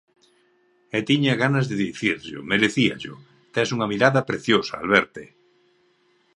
E tiña ganas de dicirllo, merecíallo, tes unha mirada preciosa, Alberte.